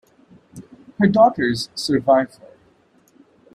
Her daughters survive her.